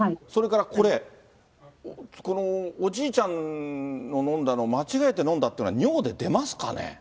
それからこれ、このおじいちゃんの飲んだのを、間違えて飲んだっていうのは、尿で出ますかね？